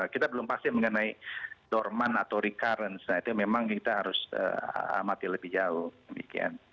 kita belum pasti mengenai dorman atau recurrence nah itu memang kita harus amati lebih jauh